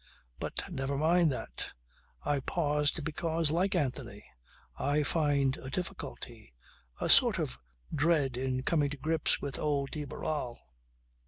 But never mind that. I paused because, like Anthony, I find a difficulty, a sort of dread in coming to grips with old de Barral.